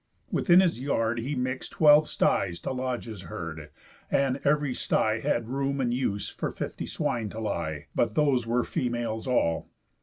Within his yard he mix'd Twelve styes to lodge his herd; and ev'ry stye Had room and use for fifty swine to lie; But those were females all.